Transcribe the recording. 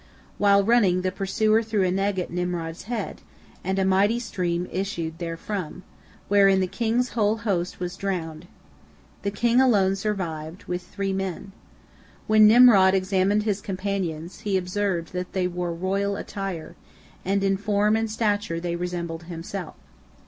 While running, the pursuer threw an egg at Nimrod's head, and a mighty stream issued therefrom, wherein the king's whole host was drowned. The king alone survived, with three men. When Nimrod examined his companions, he observed that they wore royal attire, and in form and stature they resembled himself.